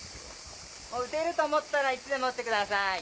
射てると思ったらいつでも射ってください。